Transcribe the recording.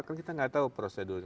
kan kita nggak tahu prosedurnya